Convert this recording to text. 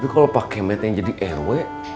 tapi kalau pakai med yang jadi rw